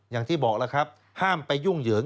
อย่างที่บอกแล้วครับห้ามไปยุ่งเหยิง